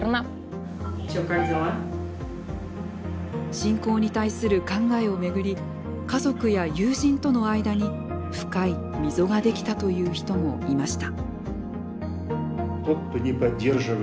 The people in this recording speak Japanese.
侵攻に対する考えを巡り家族や友人との間に深い溝ができたという人もいました。